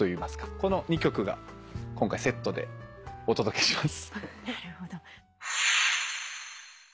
この２曲今回セットでお届けします。